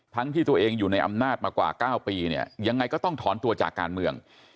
ที่ตัวเองอยู่ในอำนาจมากว่า๙ปีเนี่ยยังไงก็ต้องถอนตัวจากการเมือง